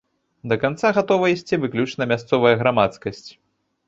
Да канца гатовая ісці выключна мясцовая грамадскасць.